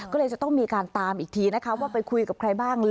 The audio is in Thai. ก็เลยจะต้องมีการตามอีกทีนะคะว่าไปคุยกับใครบ้าง